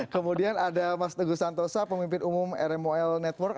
kemudian ada mas teguh santosa pemimpin umum rmol network